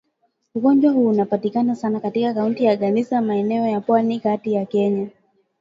Ugonjwa huu unapatikana sana katika Kaunti ya Garissa maeneo ya Pwani Kati ya Kenya